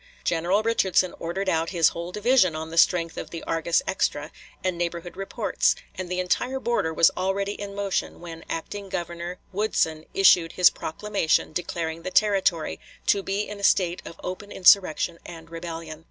General Richardson ordered out his whole division on the strength of the "Argus Extra" and neighborhood reports, and the entire border was already in motion when acting Governor Woodson issued his proclamation declaring the Territory "to be in a state of open insurrection and rebellion."